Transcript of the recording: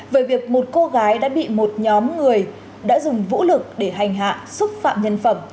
về việc một cô gái đã bị một nhóm người đã dùng vũ lực để hành hạ xúc phạm nhân phẩm